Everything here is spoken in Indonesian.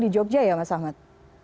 di jogja ya mas ahmad